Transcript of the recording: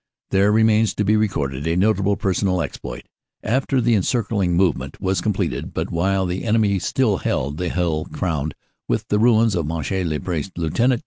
There remains to be recorded a notable personal exploit. After the encircling movement was completed but while the enemy still held the hill crowned with the ruins of Monchy le Preux, Lieut.